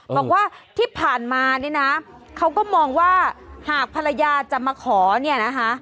บอกว่าที่ผ่านมานี่นะเขาก็มองว่าหากภรรยาจะมาขอเนี่ยนะคะ